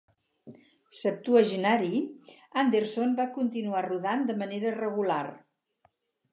Septuagenari, Anderson va continuar rodant de manera regular.